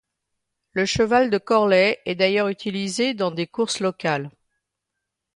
Le cheval de Corlay est d'ailleurs utilisé dans des courses locales.